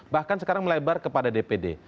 bahkan sekarang melebar kepada dpd